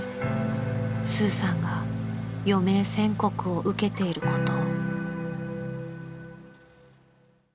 ［スーさんが余命宣告を受けていることを］